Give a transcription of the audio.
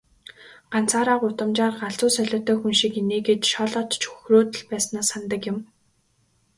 Ганцаараа гудамжаар галзуу солиотой хүн шиг инээгээд, шоолоод ч хөхрөөд л байснаа санадаг юм.